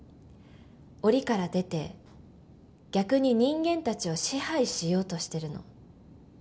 おりから出て逆に人間たちを支配しようとしてるの